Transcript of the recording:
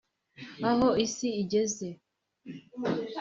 Aho isi igeze